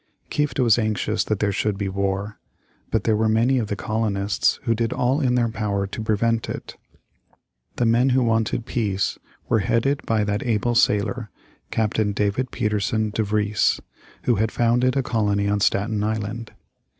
Kieft was anxious that there should be war. But there were many of the colonists who did all in their power to prevent it. The men who wanted peace were headed by that able sailor, Captain David Pietersen De Vries, who had founded a colony on Staten Island.